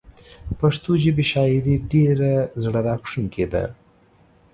پښتو ژبې شاعري ډيره زړه راښکونکي ده